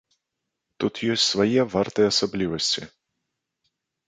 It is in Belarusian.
Тут ёсць свае вартыя асаблівасці.